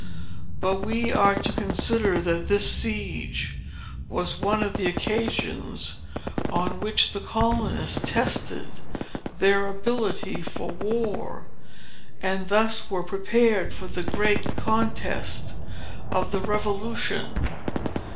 But, we are to consider that this siege was one of the occasions, on which the colonists tested their ability for war, and thus were prepared for the great contest of the Revolution.